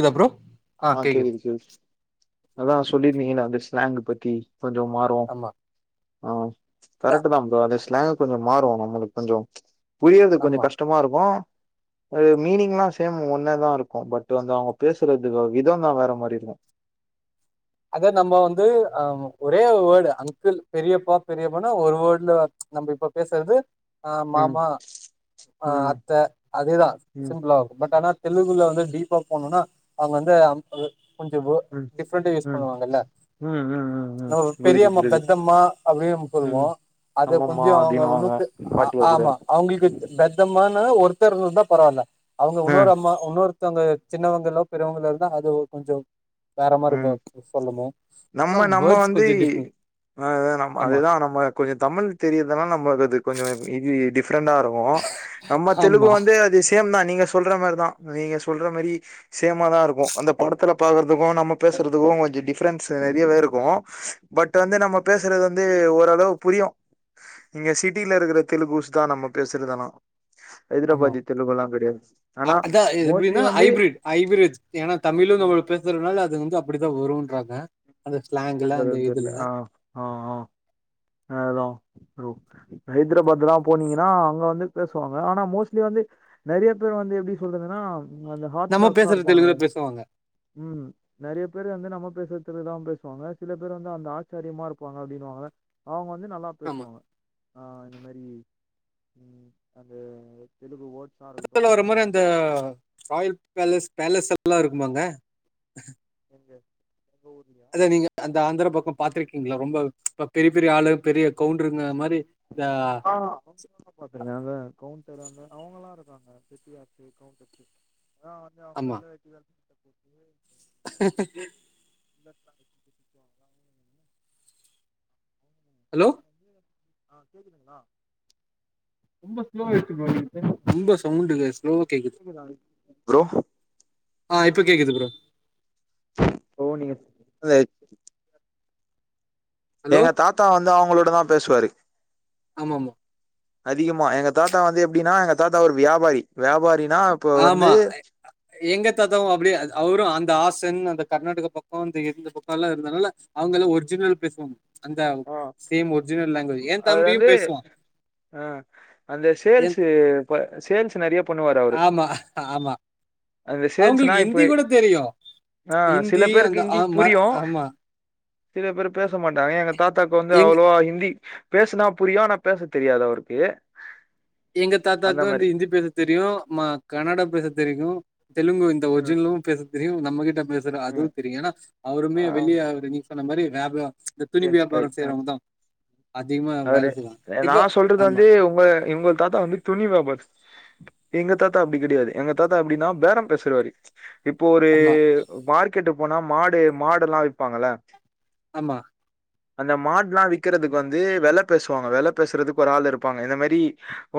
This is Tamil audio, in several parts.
இது அப்பறோ ஆஹ் கேக்குது கேக் அதான் சொல்லிருந்தீங்க இல்ல அந்த ஸ்லாங்க் பத்தி கொஞ்சோ மாறு ஆமா ஆஹ் அதா கரெக்ட்டு தா ப்ரோ அது ஸ்லேங்கு கொஞ்ச மாறு நம்மளுக்கு கொஞ்ச புரியறதுக்கு கொஞ்ச ஆமா கஷ்டமா இருக்கு ஆ மீனிங்லாம் சேம் ஒன்னாதா இருக்கும் பட் வந்து அவங்க பேசுறது அந்த விதம் தா வேற மாதிரி இருக்கு அத நம்ம வந்து அஹ் ஒரே வேர்டு அங்கிள் பெரியப்பா பெரியம்மானா ஒரு வேர்டுல ம்ச் நம்ம இப்ப பேசுறது ஆ ம் மாமா ஆ ம் அத்தை அதேதா ம் சிம்பிளா இருக்கு பட் ஆனா தெலுங்குல வந்து டீப்பா போனோம்னா அவுங்க வந்து [unintelligible] கொஞ்சம் வேர்டு ம் டிஃப்ரெண்ட் ஆ ம் சொல்லுவாங்கல்ல ம் ம் ம் ம் ஒரு புரியுது பெரியம்மா புரியுது பெத்தம்மா அப்படின்னு ம் சொல்லுவோ அத கொஞ்ச ஆமாமா அவங்க அப்டின்னுவாங்க வந்து பாட்டியா கூட ஆமா அவங்களுக்கு பெத்தம்மானு ஆ ஒருத்தர் இருந்தா பரவால்ல அவங்க ம் இன்னொரு அம்மா இன்னொரு த்தவங்க சின்னவங்கல்லா பெரியவங்கலா இருந்தா அது கொஞ்ச வேற மாரி ம் போ நம்ம நம்ம வந்து கொஞ்சோ டிஃப்ரெண்ட் ஆ நம் ஆமா அதுதா நம்ம கொஞ்சோ தமிழ் தெரிதுனா நம்ம அது கொஞ்ச இது டிப் டிஃப்ரெண்டா இருக்கு நம்ம தெலுங்கு ஆமா வந்து அது சேம் தா நீங்க சொல்ற மாரிதா நீங்க சொல்ற மாரி சேமா தா இருக்கு அந்த படத்துல பாக்கறதுக்கும் நமக் பேசுறதுக்கு கொஞ்சோ டிஃப்ரன்ஸ் நிறையவே இருக்கு பட் வந்து நம்ம பேசுறது வந்து ஓரளவு புரியு இங்க சிட்டில இருக்கிற தெலுங்குஸ் தா நம்ம பேசறது ஆனா ஆமா ஆ ஆனா அதா மோஸ்ட்லி எப்படின்னா வந்து ஹைபிரிட் ஹைபிரிட் ஏன்னா தமிழு ஆ வந்து பேசுறதுனால அது வந்து அப்படிதா வருன்றாங்க அந்த ஸ்லாங்ல எனக்கு அந்த எதுதெரியல இதுல ஆ ஆ ஆதா இப்ப ஹைதராபாத்லாம் போனீங்கன்னா அங்க வந்து பேசுவாங்க ஆனா மோஸ்ட்லி வந்து நிறைய பேர் வந்து எப்படி சொல்றங்கன்னா அந்த நம்ம ஹார்தடாக்ஸா பேசுற இருப்பாங்க லா தெலுங்குல பேசுவாங்க ம் நிறைய பேரு வந்து நம்ம பேசுறத் தா பேசு பேசுவாங்க க சில பேர் வந்து அந்த ஆச்சாரியமா இருப்பாங்க அப்படின்னுவாங்க அவங்க வந்து நல்லா ஆமா பேசுவாங்க ஆ இந்த மாதிரி அந்த தெலுங்கு ஓட் படத்துல வர மாரி அந்த ராயல் பேலஸ் பேலஸ்லாம் இருக்கு ஆமாங்க இங்க அத நீங்க அந்த ஆந்திர பக்கம் பாத்துருக்கீங் ங்களா ரொம்ப ப பெரிய பெரிய ஆளு பெரிய கவுண்டருங்க மாரி இந்த ஆ ச அவங்க எல்லாம் இருக்காங்க பெத்தியாச்சு கவுச்சு அதா வந்து அவங்க ஆமா வெள்ள வேட்டி [inaudible] [inaudible] ஹலோ அவங்க வந்து ஆ கேக்குதுங்களா ரொம்ப ஸ்லோ ஆயிடுச்சப்பா உனக்கு ரொம்ப சவுண்டுங்க கேகுத ஃப்ரோ ஆ இப்போ கேக்குது ஃப்ரோ ஓ நீங்க அது ஹலோ எங்க தாத்தா வந்து அவங்களோட தா பேசுவாரு ஆமா ஆமா அதிகமா எங்க தாத்தா வந்து எப்படின்னா எங்க தாத்தா ஒரு வியாபாரி வியாபாரி ஆமா எங்க தாத்தாவும் அப்படியே அவரும் அந்த ஆசன் அந்த கர்நாடக பக்கம் இந்த பக்கம்லம் இருதானால அவங்க ஒரிஜினல் பேசுவாங்க அந்த சேம் ஒரிஜினல் லாங்குவேஜ் என் தம்பியு அதாது பேசுவா ஆஹ அந்த என் சேல்ஸ் சேல்ஸ் நிறைய பண்ணுவார ஆமா ஆமா சேல்ஸ்னா அவங்களுக்கு ஹிந்தி இப்ப கூட தெரியும் ஆ சில ஹிந்தி அந்த பேருக்கு ஹிந்தி புரியு ஆமா சில பேர் பேச மாட்டாங்க எங்க தாத்தாக்கு வந்து எங்க அவ்வளவா ஹிந்தி பேசுனா புரியும் ஆனா பேச தெரியாது அவருக்கு எங்க அந்த தாத்தாவுக்கு மாரி வந்து ஹிந்தி பேச தெரியு மா கன்னடம் பேச தெரியு தெலுங்கு இந்த ம் ஒரிஜினலு பேசு தெரியு நம்ம கிட்ட பேசுற அதுவு ம் தெரியும் ஏன்னா அவருமே ஆ வெளியே அவ நீ ந்த மரிலாப்பர இந்த துணி ரியல் ஸ்கை வியாபாரம் அ செய்றவங்க தா அவரு நா சொல்றது வந்து உங்க வுங்க தாத்தா வந்து துணி வாபாரி எங்க தாத்தா அப்டி கிடையாது எங்க தாத்தா எப்டின்னா பேரம் பேசுறவரு இப்போ ஒரு ஆமா மார்க் கெட்டு போனா மாடு மாடு எல்லா விப்பாங்கள ஆமா அந்த மாட்ல்லா வி்க்கறதுக்கு வந்து வந்து வெல பேசுவாங்க வெலை பேசுறதுக்கு ஒரு ஆள் இருப்பாங்க இந்த மாரி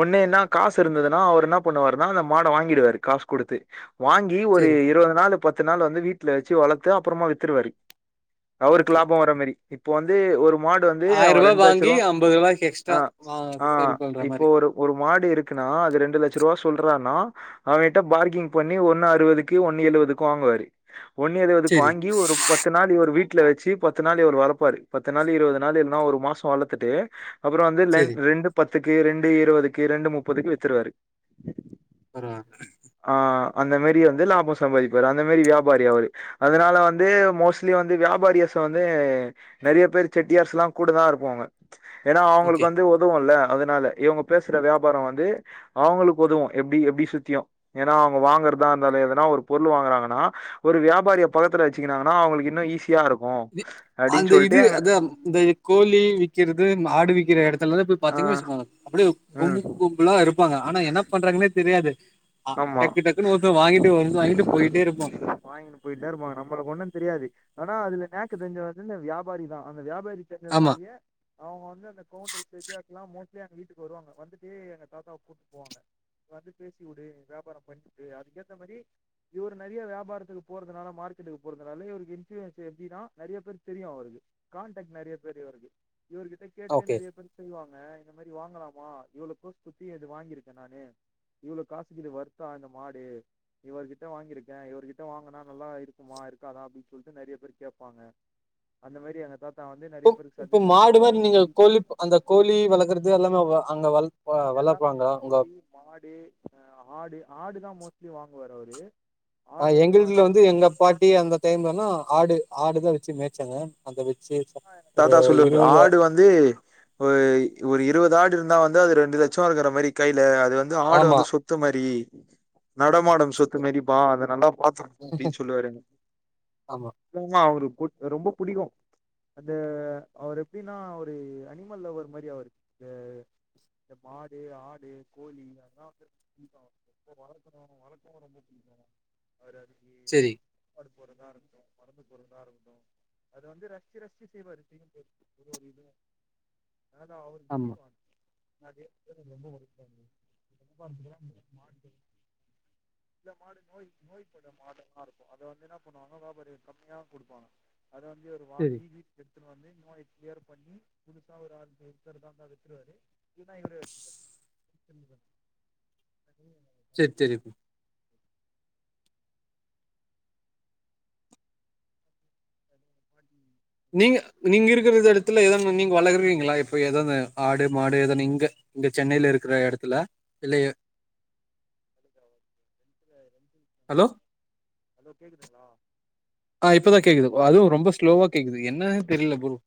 ஒன்னே என்ன காசு இருந்ததுன்னா அவுர் என்ன பண்ணுவாருனா அந்த மாட வாங்கிடுவாரு காசு குடுத்து வாங்கி ஒரு செரி இருவது நாலு பத்து நாள் வந்து வீட்ல வச்சு வளர்த்து அப்புறமா வித்துருவாரு அவருக்கு ஓகே லாப வர்ற மாரி இப்ப வந்து ஒரு மாடு வந்து ஆயிர அவ ரூபா ரெண் வாங்கி ஐம்பது ரூபாய்க்கு எக்ஸ்ட்ரா ஆஹ் வா சேல் ஆஹ் பண்ற இப்போ மாரி ஒரு ஒரு மாடு இருக்குன்னா அது ரெண்டு லட்ச சொல்றானா அவங்கிட்ட பார்க்கின் பண்ணி ஒண்ணு அறுவதுக்கு ஒன்னு எழுவதுக்கு வாங்குவாரு ஒன்னு இருவதுக்கு செரி வாங்கி ஒரு பத்து நாள் இவுரு வீட்டு வீட்ல வச்சு பத்து நாள் இவுரு வளப்பாரு பத்து நாள் இருவது நாள் இல்ன்னா ஒரு மாச சோள தட்டு அப்புற வந்து ர செரி ரெண்டு பத்து த்துக்கு ரெண்டு இருவதுக்கு ரெண்டு முப்பதுக்கு வித்துருவாரு பர ஆ அந்த மாரி வந்து லாபம் சம்பாதிப்பாரு அந்த மாரி வியாபாரி அவரு அதுனால வந்து மோஸ்ட்லி வந்து வியாபாரிஸ வந்து நெறய பேர் செட்டியார்ஸ்லாம் கூட தான் இருக்கு போவங்க ஏனா ஓகே அவங்களுக்கு வந்து உதவுல அதுனால இவுங்க பேசுற வியாபாரம் வந்து அவங்களுக்கு உதவும் எப்டி எப்டி சுத்தியும் ஏனா அவங்க வாங்கறதா இருந்த எதனா ஒரு பொருள் வாங்கறாங்கனா ஒரு வியாபாரியை பக்கத்துல வச்சுக்கனாங்கன்னா அவங்களுக்கு இன்னு ஈஸியா இருக்கும் வித் அப்டின்னு அந்த சொல்லிட்டு இது அத இந்த கோழி க்கிறது ஆடுவிக்கிற இடத் டதுல ஆ பாத்தீங்க வச்சுக்கோங்க அப்டியே ம் கும்ப கும்பலா இருப்பங்க ஆனா என்ன பண்றாங்கனே தெரியாது அ ஆமா டக்கு டக்குன்னு ஒருத்தன் வாங்கிட்டு வந்து வாங்கிட்டு போயிட்டே இருப்பா வாங்கிட்டு போயிட்ட நம்மளுக்கு ஒண்ணு தெரியாது ஆனா அதுல நேக்கு தெரிஞ்ச வந்து இந்த வியாபாரி தான் அந்த வியா யாபாரி ஆமா தெரிஞ்னாலய அவுங்க வந்து கவுண்ட் [unintelligible] லாம் எங்க வீட்டுக்கு வருவாங்கொ வந்துட்டு எங்க தாத்தாவ கூப்ட்டு போவாங்க வந்து பேசி விடு வியாபார பன்ட்டு அதுக்கேத்த மாரி இவரு நிறைய வியாபாரத்துக்கு போறதுனால மார்க்கெட்டுக்கு போறதுனால இவருக்கு இன்பூயன்ஸ் எப்டினா நிறைய பேர் தெரியும் அவக்கு கான்டெக்ட் நெறய பேரு வருக்கு இவர்கிட்ட கேட்டே ஓகே நிறய பேர் செய்வாங் ணா இந்த மாதிரி வாங்கலாமா இவளோக்கு கொஸ்குடுத் வாங்கிருக்கேன் நானு இவளோ காசு து வருத்தா இந்த மாடு இவர்கிட்ட வாங்கியிருக்கே இவர்கிட்ட வாங்கனா நல்லா இருக்குமா இருக்காதா அப்டினு சொல்ட்டு நெறய பேர் கேப்பாங்க அந்த மாரி எங்க தாத்தா வந்து நெறைய இ பேருக்கு இப்ப சஜஷன் மாடு பண்ணுவாரு மாரி நீங்க வாங்கி கோழி குடுப்பாரு அந்த கோழி வளர்க்கறது எல்லாமே அங்க வளக் ஆ எல்லாமே கோழி மாடு அ ஆடு ஆடு தா மோஸ்ட்லி வாங்குவாரு அவுரு ஹ் எங்க வீட்ல வந்து எங்க அ பாட்டி அந்த டைம்லனா ஆடு ஆடுதான் ச்சு வச்சு மேய்ச்சங்க அந்த வச் தாத்தா சொல்லுவது ஆடு வந்து ஒ ஒரு இருவது ஆடு இருந்தா வந்து அது ரெண்டு லட்சோ இருக்க மாரி கை இல்ல அது வந்து ஆடு ஆமா வந்து சொத்து மாரி [inaudible] நடமாடும் சொத்து மதிப்பா அத நன்டா பாத்துக்குனு அப்டின் சொல்லுவாரு என்ன ஆமா [inaudible] அவுரு குட் ரொம்ப புடிக்கு அது அவர் எப்டினா அவுரு அனிமல் லவ்வர் மாரி அவுரு இந்த ந்த மாடு ஆடு கோழி அதலா வந்து [inaudible] செரி [inaudible] அத வந்து ரசிச்சு ரசி ச்சி செய்வாரு [inaudible] ஒவ்வொரு இது அது அவுருக் ஆமா புடிக்கு [inaudible] [inaudible] நோய் நோய்பட மாடல்லா இருக்கு அத வந்து என்ன பண்ணுவாங்க வியாபாரிங்கள் கம்மியா குடுப்பாங்க‌ அது வந்து இவரு செரி வாங்கி வி த்துனு வந்து நோய் கிளியர் பண்ணி, புதுசா ஒரு ஆர் [unintelligible] வித்துருவாரு [unintelligible] இவுரே வெச்சபார் சேர் சேரி [inaudible] நீங்க நீங்க ப்ப எதனு ஆடு மாடு எதன்னு இங்க இந்த சென்னைல இருக்ற எடத்துல இல்ல எ ஹலோ [inaudible] ஹலோ கேக்குதுங்ளா? ஆஹ் இப்பதா கேக்குதுப் அதுவு ரொம்ப ஸ்லோவா கேக்குது என்னானே தெரில புரோ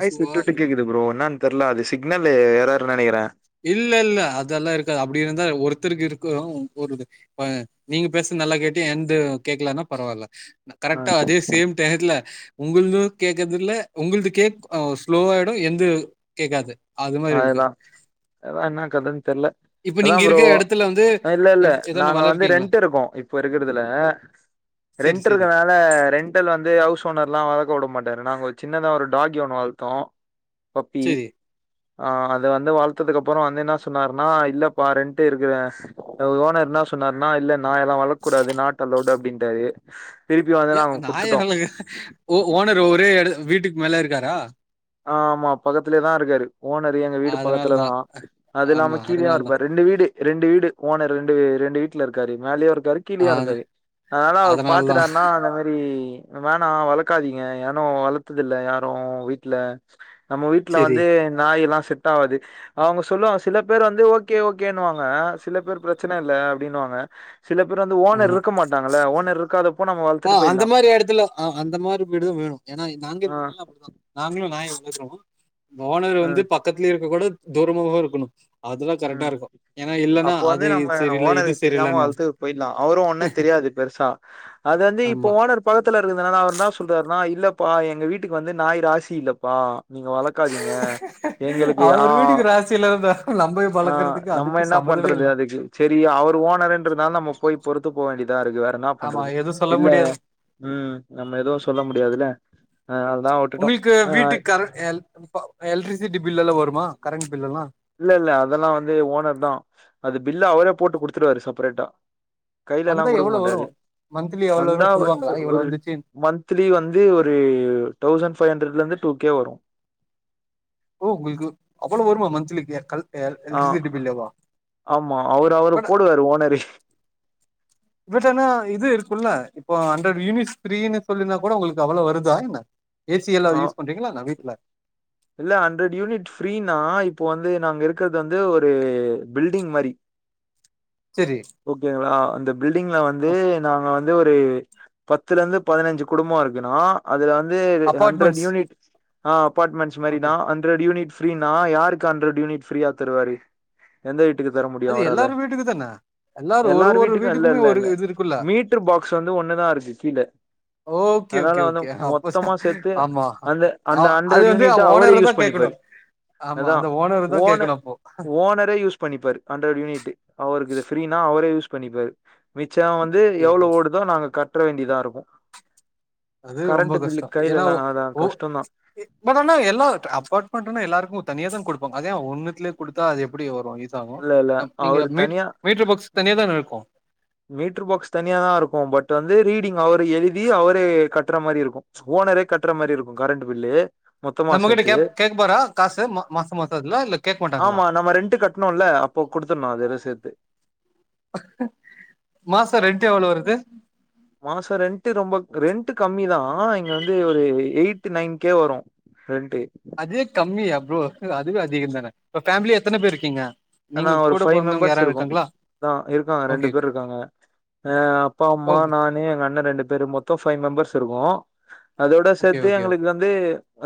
வாய்ஸ் விட்டு விட்டு கேக்குது ப்ரோ, என்னான் தெர்ல அது சிக்னலு எரர் நெனகிறே இல்ல இல்ல அதல்லா இருக்காது அப்டி இருந்தா ஒருத்தருக்கு இருக்கூ போறுது ப நீங்க பேசுன நல்லா கேட்டு என்து கேக்கலனா பரவால்ல கரெக்டா அதே சேம் டயத்ல உங்குளது கேக்கதில்ல, உங்களது கேக் அ ஸ்லோவாயிடு என்து கேட்காது அது மாரி இருக்கு அதா என்ன கதன் தெர்ல இப்ப அதா நீங்க ப்ரோ இருக்க எடத்துல வந்து இல்ல இல்ல எப் எதனா நாங்க வெல வந்து இருக்கீங்களா ரெண்ட் இருக்கோ இப்ப இருக்கிறதுல செரி ரெண்ட் செரி இருக்கறனால ரெண்டல் வந்து ஹவுஸ் ஓனர்லா வளக்க விட மாட்டாரு நாங்க ஒரு சின்னதா ஒரு டாக்கி ஒன்னு வள்த்தோ பப்பி செரி அ அது வந்து வளத்ததுக்கு அப்புறோ வந்து என்ன சொன்னாருனா இல்லப்பா ரெண்ட்டு இருக்கறே ஓனர் என்ன சொன்னார்னா இல்ல நாய் எல்லா வளக் கூடாது நாட் அலோடு அப்டின்டாரு ஏ நாய [inaudible] ஓ ஓனரு ஒரே எட வீட்டுக் மேல இருக்காரா ஆ ஆமா பக்கத்திலயேதா இருக்காரு ஓனரு எங்க வீடு அதனால தா பக்கத்துலதா அது இல்லாம ஆமா கீழயு அதனால தா இருப்பாரு ரெண்டு வீடு ரெண்டு வீடு ஓனர் ரெண்டு ரெண்டு வீட்லருக்காரு மேலயு ர்காரு அ கீழியு இருக்காரு அதனால அவுரு பாத்துட்டார்னா அந்த மாரி வேணா வளக்காதீங்க யானு வளத்ததில்ல யாரு வீ ட்ல நம்ம வீட்டுல செரி வந்து நாய் எல்லா செட் ஆவாது, அவங்க சொல்லுவங்க சில பேர் வந்து ஓகே ஓகேன்னுவாங்க, சில பேர் பிரச்சன இல்ல அப்படின்னுவாங்க சில பேர் வந்து ஓனர் இர்க்க மாட்டாங்கல்ல, ஓனர் இருக்காத ஆஹ் அந்த மாதிரி எடத்துல, அ அ அந்த மாரி வீடுதா வேணு ஏனா, நாங்க ஆ இருக்குதெல்லா அப்படித நாங்களு நாய் பேசலாமா இந்த ஓனர் வந்து ம் பக்கத்துலயே இருக்க கூடாத் தூரமா வா இருக்குணு ம், அப்போ வந்து நம்ம சரியில்ல, இது ஓனருக்கு தெரியாம சரியில்லன்னுவாங்க. வளத்துட் போயிர்லா அவரு ஒண்ணே தெரியாது பெருசா அத வந்து ஆமா. இப்ப ஓனர் பக்கத்தில இருக்கறனால அவர் என்ன சொல்றாருனா இல்லப்பா எங்க வீட்டுக்கு வந்து நாய் ராசி இல்லப்பா நீங்க வளர்க்காதீங்க. அவர் வீட்டுக்கு ராசியில்லா தா நம்ம ஆஹ் வளர்க்கறதுக்கு நம்ம அதுக்கும் என்ன சம்மந்தமே பண்றது இல்ல. அதுக்கு செரி அவர் ஓனருன்றனால நம்ம போய் பொறுத்து போ வேண்டி தா இருக்கு வேற என்ன ஆமா பண்றது எதுவும் சொல்ல இல்ல முடியாது. உம் நம்ம எதுவு சொல்ல முடியாதுல அஹ் அதுதா விட்டுட்டோ உங்களுக்கு அஹ் வீட்டுக்கு கர எல் ப எலக்ட்ரிசிட்டி பில் எல்லாம் வருமா? கரண்ட் பில் எல்லாம்? இல்ல இல்ல அதெல்லா வந்து ஓனர் தா அது பில் ல்ல அவரே போட்டு குடுத்துருவாரு செப்ரேட்டா கைல எல்லா வந்தா குடுக்க எவ்வளோ மாட்டாரு வரும்? மந்த்லி எவ்வளோ வந்தா வரும் சொல்லுவாங்களா? [inaudible] இவ்வளோ ஒரு வந்துச்சுன்னு. மந்த்லி வந்து ஒரு தௌசண்ட் பைவ் ஹண்டரட்ல இருந்து டூகே வரு ஓ உங்களுக்கு அவ்ளோ வருமா மந்த்லிக்கே க எ ஆ எலக்ட்ரிசிட்டி பில்லேவா ஆமா அவரு அவரு ஆனா போடுவாரு ஓனரு இப்பதான இது இருக்குல்ல இப்போ ஹண்ட்ரட் யூனிட்ஸ் ஃப்ரீனு சொல்லீனா கூட உங்களுக்கு அவ்வளோ வருதா என்ன ஏ சி எல்லா ஆ யூஸ் பண்றீங்களா என்ன வீட்டுல இல்ல ஹண்ட்ரட் யூனிட் ஃப்ரீனா இப்போ வந்து நாங்க இருக்கிறது வந்து ஒரு பில்டிங் மாரி சரி ஓகேங்களா அந்த பில்டிங்ல வந்து நாங்க வந்து ஒ ரு பத்துல இருந்து பதினைஞ்சு குடும்போ இருக்குணு அதுல வந்து வந்து ஹண்ட்ரட் அபார்ட்மெண்ட்ஸ் யூனிட் ஆஹ அப்பாட்மென்ஸ் ஓகே மாரிதா ஹண்டர் யூனிட் ஃப்ரீனா யாருக்கு அண்ட்ரட் யூனிட் ஃப்ரியா தருவாரு எந்த அது எல்லாரு வீட்டுக்கு தானா எல்லாரு வீட்டுக்கு‌ இல்ல இல்ல இல்ல இருக்குல்ல மீட்டர் பாக்ஸ் வந்து ஒன்னுதா இருக்கு கீழ ஓகே அதனால ஓகே வந்து ஓகே அப்ப மொத்தமா சேர்த்து ஆமா அந்த ஆ அந்த அது ஹண்ட்ரட் வந்து யூனிட்ட் அவரே ஓனர தா யூஸ் கேக்கணு பண்ணிப்பாரு ஆமா அதா அந்த ஓனர தா கேக்கணு ஓனர் அப்போ ஓனரே யூஸ் பண்ணிப்பாரு ஹண்ட்ரட் யூனிட் அவருக்கு இது நா அவரே யூஸ் பண்ணிப்பரு மித் சம் வந்து ஓகே ஓகே எவ்வளவு ஓடுதோ நாங்க க கற்ற வேண்டியதா இருக்கும் அது ரொம்ப கஷ்டம் ஏன்னா கஷ்டந்தா பட் ஆன எல்லா அபார்ட்மெண்ட்னா எல்லாருக்கும் தனியா தா கொடுப்பாங்க அதா ஒன்னுத்தலயே கொடுத்தா அது எப்படி வரும் இல்ல இல்ல நீங்க அவரு மீ தனியா மீடர் பாக்ஸ் தனியா தான இருக்கும் மீட்டர் பாக்ஸ் தனியா தா இருக்கும் பட் வந்து ரீடிங் அவரை எழுதி அவரே கட்டுற மாதிரி இருக்கும் ஓனரே கட்டுற மாதிரி இருக்கும் கரண்ட் பில்லு மொத்தமா நம்மகிட்ட சேர்த்து கேப் கேப்பாரா காசு மா மாசம் மாசம் அதுல இல்ல கேக்க மாட்டாங்களா? ஆமா நம்ம ரெண்டட் கட்டணும்ல்ல அப்போ குடுடுத்தடணும் அதது எல்ல சேர்த்து மாச ரென்ட்டு எவ்ளோ வருது மாச ரென்ட்டு ரொம்ப ரென்ட்டு கம்மிதா இங்க வந்து ஒரு எயிட் நைன் கே வரு ரென்ட்டு அதே கம்மியா ப்ரோ அதுவே அதிகந்தான இப்ப ஃபேமிலி எத்தன பேர்ருக்கீங்க அனா ஒரு ஃபைவ் மெம்பர்ஸ் இருக்கொ தா இருக்காங்க ரெண்டு ஓகே ஓகே பேர்ருக்காங்க ஆ அப்பா அம்மா ஓகே நானு எங்க அண்ண ரெண்டு பேரு மொத்தொ ஃபைவ் மெம்பர்ஸ் திருக்கோ அதோட ஓகே சேத்து ஓகே ஓகே. எங்களுக் வந்து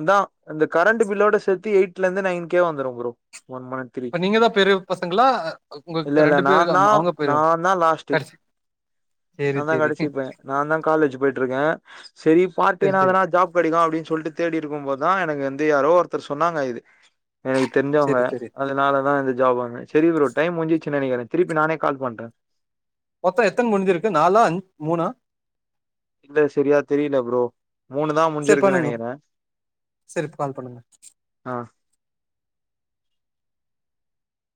அதா அந்த கரண்டு பில்லோட சேத்து எயிட்லந்து நைன் கே வந்துரும் ப்ரோ ஒன் மண் த்ரி இப்ப நீங்க தான் பெரிய பசங்களா? உங்க இல்லெல்ல பேரு நாந்தா அவங்க பெரிய நாந்தா லாஸ்ட்டு கடைசி சரி நாந்தா சரி. கடசி பைய நாந்தா காலேஜு போயிட்ருக்கே செரி பார்ட்டி சரி சரி. எனாதுனா ஜாப் கெடக்கு அப்டி சொல்ட்டு தேடியிருக்கும் ப தா எனக்கு வந்து யாரோ ஒருத்தர் சொன்னாங்க இது எனகு தெருஞ்சவ்ங்க சரி சரி. அதனாலதா இது ஜாப் வாங்க செரி ப்ரோ டைம் முஞ்சி சின் நனகிறே திருப்பி நானே கால் பண்றே மொத்தொ எத்தன் முஞ்சிருக்கு நாலா அஞ் மூனா இல்ல சரியா தெரில ப்ரோ மூணுதா சரி முஞ்சிருக்கு பண்ணுங்க. நனகிறே சரி கால் பண்ணுங்க ஆ